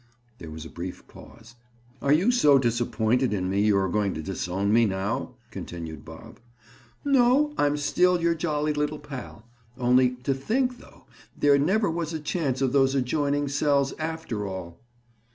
There was a brief pause. "Are you so disappointed in me, you are going to disown me now?" continued Bob. "No a. I'm still your jolly little pal. Only to think though, there never was a chance for those adjoining cells, after all!"